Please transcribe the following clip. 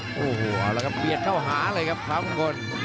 โอ้โหเอาละครับเบียดเข้าหาเลยครับพระมงคล